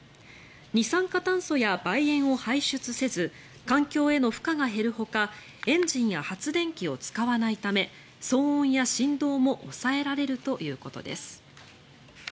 二酸化炭素や、ばい煙を排出せず環境への負荷が減るほかエンジンや発電機を使わないため騒音や振動も抑えられるということです。